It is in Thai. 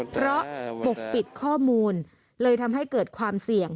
เพราะปกปิดข้อมูลเลยทำให้เกิดความเสี่ยง